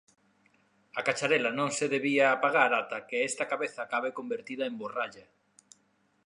A cacharela non se debía apagar ata que esta cabeza acabe convertida en borralla.